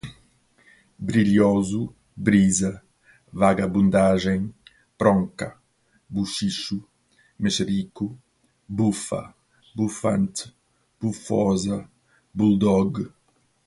brilhoso, brisa, vagabundagem, bronca, buchicho, mexerico, bufa, bufante, bufósa, buldogue